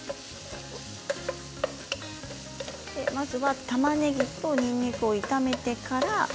まずは、たまねぎとにんにくを炒めてから。